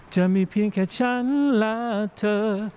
จะมีเพียงแค่ฉันและเธอ